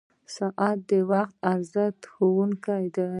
• ساعت د وخت د ارزښت ښوونکی دی.